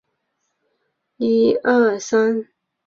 康奈尔大学计算机科学的一名教授。